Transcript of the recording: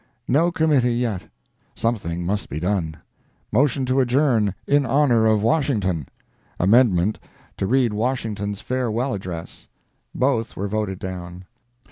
No committee yet. Something must be done. Motion to adjourn, "in honor of Washington." Amendment—to read Washington's Farewell Address. Both were voted down.